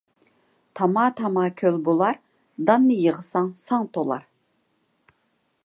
تاما - تاما كۆل بولار ، داننى يىغساڭ ساڭ تولار.